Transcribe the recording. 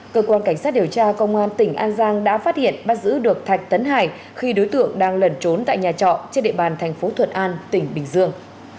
cơ quan cảnh sát điều tra công an tỉnh an giang đã phát hiện bắt giữ được thạch tấn hải khi đối tượng đang lẩn trốn tại nhà trọ trên địa bàn thành phố thuận an tỉnh bình dương